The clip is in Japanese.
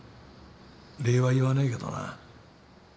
礼は言わないけどな。